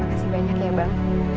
terima kasih banyak ya bang